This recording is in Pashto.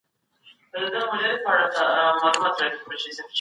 خپل ځان له ناروغیو وساتئ.